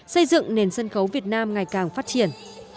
xây dựng nền sân khấu việt nam ngày càng phát triển